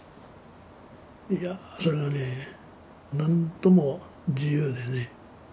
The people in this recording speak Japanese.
いやあそれがねなんとも自由でね。